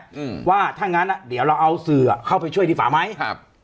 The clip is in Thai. อืมว่าถ้างั้นอ่ะเดี๋ยวเราเอาสื่ออ่ะเข้าไปช่วยดีกว่าไหมครับ